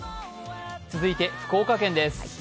続いて、福岡県です。